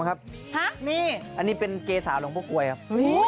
อันนี้เป็นเกษาหลงพกวยครับ